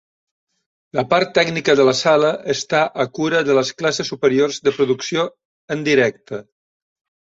La part tècnica de la sala està a cura de les classes superiors de producció en directe.